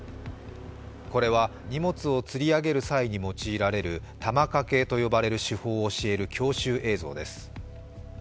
これは荷物を釣り上げる際に用いられる玉掛けと呼ばれる手法を教える教習映像です。